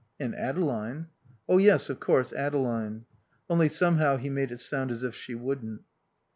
"And Adeline." "Oh yes, of course, Adeline." (Only somehow he made it sound as if she wouldn't.)